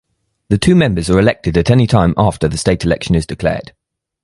The two members are elected at anytime after the state election is declared.